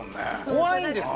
怖いんですか？